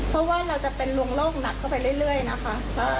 เพราะว่าเราจะเป็นลวงโรคหนักเข้าไปเรื่อยนะคะ